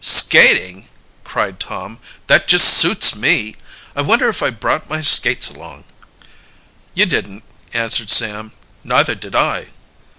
"Skating!" cried Tom. "That just suits me. I wonder if I brought my skates along?" "You didn't," answered Sam. "Neither did I."